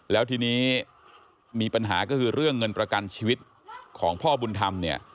แล้วทีนี้มีปัญหาก็คือเรื่องเงินประกันชีวิตของพ่อบุญธรรมเนี่ย